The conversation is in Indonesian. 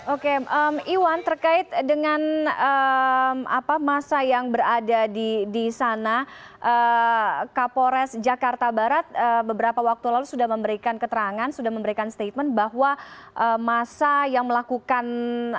oke iwan terkait dengan masa yang berada di sana kapolres jakarta barat beberapa waktu lalu sudah memberikan keterangan sudah memberikan statement bahwa masa yang melakukan